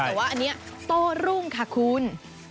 แต่ว่าอันนี้โต้รุ่งค่ะคุณ